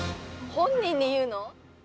本人に言うの？